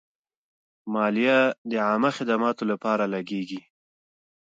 مالیه د عامه خدماتو لپاره لګیږي.